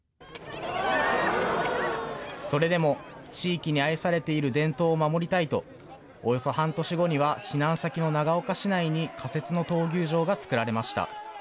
それでも、地域に愛されている伝統を守りたいと、およそ半年後には、避難先の長岡市内に仮設の闘牛場が作られました。